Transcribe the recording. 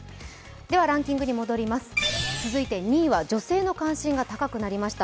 ランキングに戻ります続いて２位は女性の関心が高くなりました。